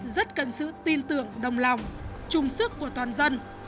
rất cần sự tin tưởng đồng lòng chung sức của toàn dân